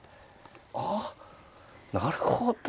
あなるほど。